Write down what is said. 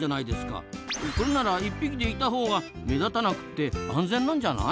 これなら１匹でいたほうが目立たなくて安全なんじゃない？